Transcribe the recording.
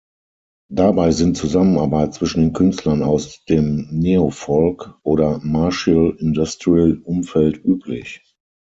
Dabei sind Zusammenarbeit zwischen den Künstlern aus dem Neofolk- oder Martial-Industrial-Umfeld üblich.